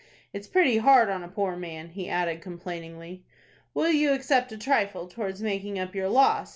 It's pretty hard on a poor man," he added, complainingly. "Will you accept a trifle towards making up your loss?"